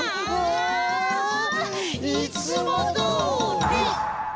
あいつもどおり！